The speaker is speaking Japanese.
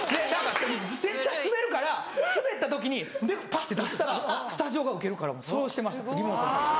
絶対スベるからスベった時に猫パッて出したらスタジオがウケるからそうしてましたリモートは。